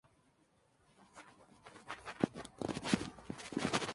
Participó en el conocimiento de la historia y la cultura de Cantabria.